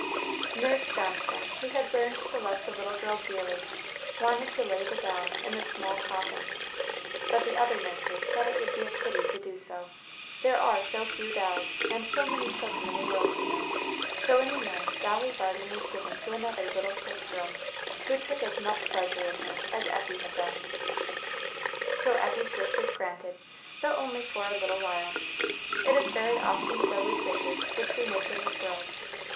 Nurse Johnstone, who had learned to love the little girl dearly, wanted to lay the doll in the small coffin; but the other nurses said it would be a pity to do so. There are so few dolls and so many children in the world, you know; so in the end Dolly Varden was given to another little sick girl, who took as much pleasure in her as Effie had done. So Effie's wish was granted, though only for a little while. It is very often so with wishes which we make in this world.